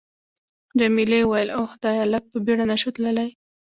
جميلې وويل:: اوه خدایه، لږ په بېړه نه شو تللای؟